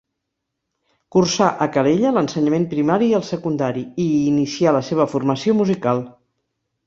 Cursà a Calella l'ensenyament primari i el secundari i hi inicià la seva formació musical.